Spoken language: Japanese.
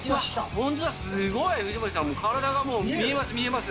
本当だ、すごい、藤森さん、体がもう見えます、見えます。